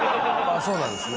そうなんですね。